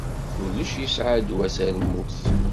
Kullec yesεa ddwa-s ar lmut.